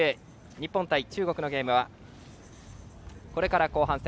日本対中国のゲームはこれから後半戦。